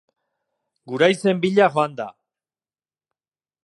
Guraizen bila joan da.